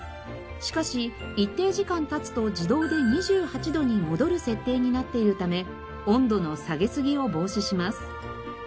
しかし一定時間経つと自動で２８度に戻る設定になっているため温度の下げすぎを防止します。